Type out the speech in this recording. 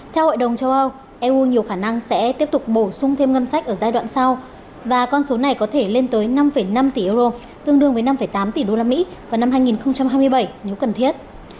theo hội đồng châu âu eu nhiều khả năng sẽ tiếp tục bổ sung thêm ngân sách ở giai đoạn sau và con số này có thể lên tới năm năm tỷ euro tương đương với năm tám tỷ usd vào năm hai nghìn hai mươi bảy nếu cần thiết